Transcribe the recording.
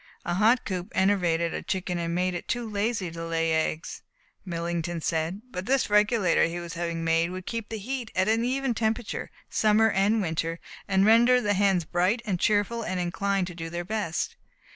A hot coop enervated a chicken and made it too lazy to lay eggs, Millington said, but this regulator he was having made would keep the heat at an even temperature, summer and winter, and render the hens bright and cheerful and inclined to do their best.